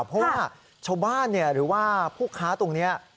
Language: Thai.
เพราะว่าชาวบ้านหรือว่าผู้ค้าตรงนี้